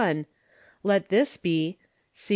Let this be C.